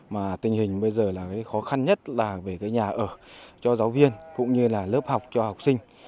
mà tình hình bây giờ là cái khó khăn nhất là về cái nhà ở cho giáo viên cũng như là lớp học cho học sinh